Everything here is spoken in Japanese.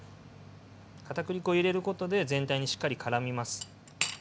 かたくり粉を入れることで全体にしっかりからみます。